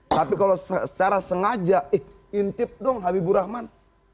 tapi kalau secara sengaja intip dong habibur rahman